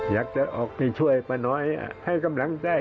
อยากจะออกไปช่วยป้าน้อยให้กำลังใจ